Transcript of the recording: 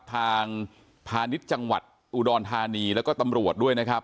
พาณิชย์จังหวัดอุดรธานีแล้วก็ตำรวจด้วยนะครับ